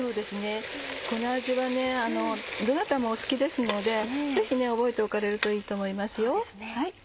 この味はどなたもお好きですのでぜひ覚えておかれるといいと思いますよ。